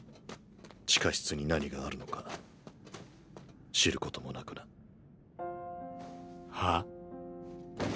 地下室に何があるのか知ることもなくな。は？